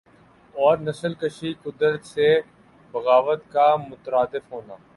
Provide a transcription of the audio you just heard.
اور نسل کشی قدرت سے بغاوت کا مترادف ہونا